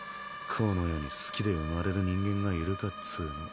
この世に好きで生まれる人間がいるかっつぅの。